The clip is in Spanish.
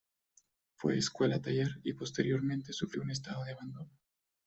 Fue Escuela Taller y posteriormente sufrió un estado de abandono.